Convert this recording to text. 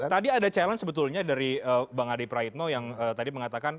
tadi ada challenge sebetulnya dari bang adi praitno yang tadi mengatakan